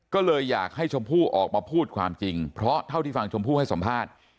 ก็เลยอยากให้ชมพู่ออกมาพูดความจริงเพราะเท่าที่ฟังชมพู่ให้สัมภาษณ์